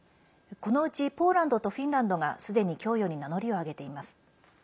このうち、ポーランドとフィンランドがすでに供与に名乗りを上げています。